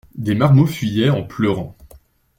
Des marmots fuyaient en pleurant.